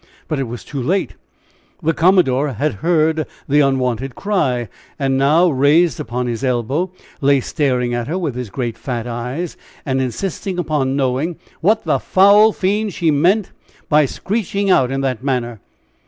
But it was too late the commodore had heard the unwonted cry, and now, raised upon his elbow, lay staring at her with his great fat eyes, and insisting upon knowing what the foul fiend she meant by screeching out in that manner?